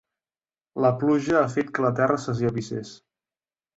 La pluja ha fet que la terra s’esllavissés.